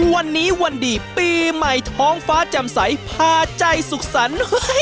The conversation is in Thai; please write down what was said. วันนี้วันดีปีใหม่ท้องฟ้าแจ่มใสพาใจสุขสรรค์